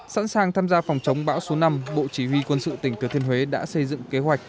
sẵn sàng tham gia phòng chống bão số năm bộ chỉ huy quân sự tỉnh thừa thiên huế đã xây dựng kế hoạch